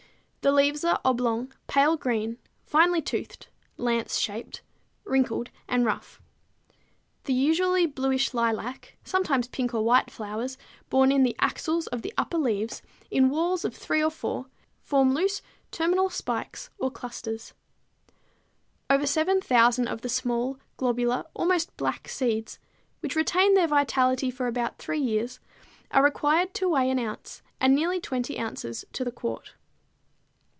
The leaves are oblong, pale green, finely toothed, lance shaped, wrinkled and rough. The usually bluish lilac, sometimes pink or white flowers, borne in the axils of the upper leaves in whorls of three or four, form loose terminal spikes or clusters. Over 7,000 of the small globular, almost black seeds, which retain their vitality about three years, are required to weigh an ounce, and nearly 20 ounces to the quart.